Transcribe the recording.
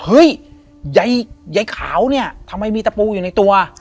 เฮ้ยยายขาวเนี่ยทำไมมีตะปูอยู่ในตัว